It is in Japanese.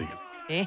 え？